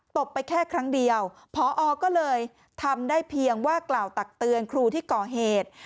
บไปแค่ครั้งเดียวพอก็เลยทำได้เพียงว่ากล่าวตักเตือนครูที่ก่อเหตุ